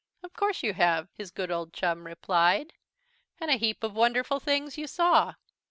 "Of course you have," his good old chum replied, "and a heap of wonderful things you saw."